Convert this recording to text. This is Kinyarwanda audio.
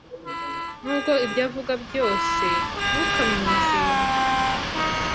Nubwo ibyo avuga byose, ntukamwizere.